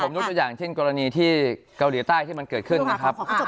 ยกตัวอย่างเช่นกรณีที่เกาหลีใต้ที่มันเกิดขึ้นนะครับ